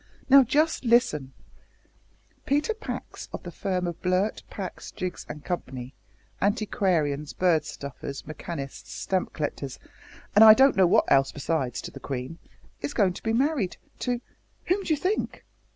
Now, just listen: Peter Pax of the firm of Blurt, Pax, Jiggs, and Company, Antiquarians, Bird Stuffers, Mechanists, Stamp Collectors, and I don't know what else besides, to the Queen is going to be married to whom do you think?"